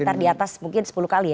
sekitar diatas mungkin sepuluh kali ya